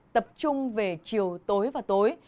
tập trung về chiều tối và tối